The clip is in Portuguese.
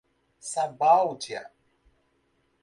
Sabáudia